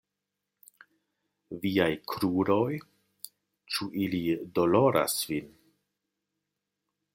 Viaj kruroj? Ĉu ili doloras vin?